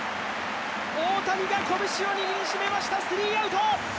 大谷が拳を握りしめましたスリーアウト。